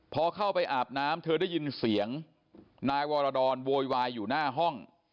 พอเข้าไปอาบน้ำเธอได้ยินเสียงนายวรดรโวยวายอยู่หน้าห้อง